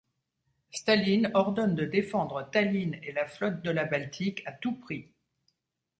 Staline ordonne de défendre Tallinn et la Flotte de la Baltique à tout prix.